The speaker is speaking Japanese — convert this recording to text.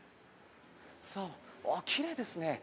あっきれいですね。